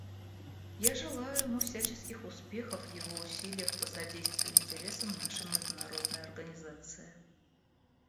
Я желаю ему всяческих успехов в его усилиях по содействию интересам нашей международной организации.